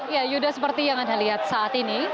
ya yuda seperti yang anda lihat saat ini